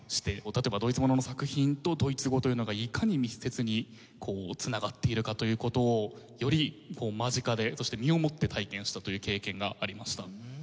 例えばドイツものの作品とドイツ語というのがいかに密接に繋がっているかという事をより間近でそして身をもって体験したという経験がありました。